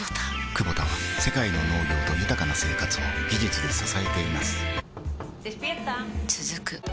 クボタは世界の農業と豊かな生活を技術で支えています起きて。